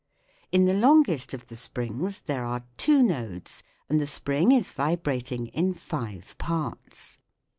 In the longest of the springs there are two nodes, and the spring is vibrating in five parts.